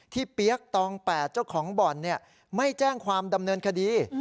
เปี๊ยกตอง๘เจ้าของบ่อนไม่แจ้งความดำเนินคดี